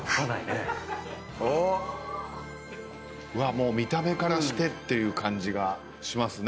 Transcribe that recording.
もう見た目からしてっていう感じがしますね。